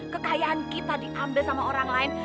kekayaan kita diambil sama orang lain